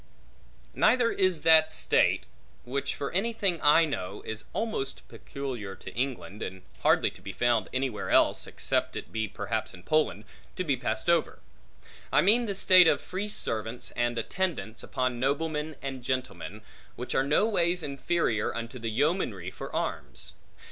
Neither is that state (which, for any thing I know, is almost peculiar to England, and hardly to be found anywhere else, except it be perhaps in Poland) to be passed over; I mean the state of free servants, and attendants upon noblemen and gentlemen; which are no ways inferior unto the yeomanry for arms.